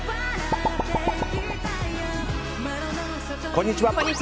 こんにちは。